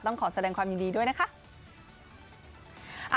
ขอแสดงความยินดีด้วยนะคะ